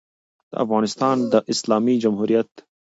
د افغانستان د اسلامي جمهوریت